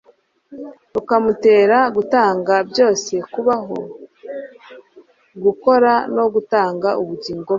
rukamutera gutanga byose, kubaho, gukora no gutanga ubugingo bwe